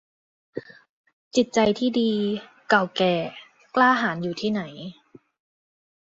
จิตใจที่ดี เก่าแก่ กล้าหาญอยู่ที่ไหน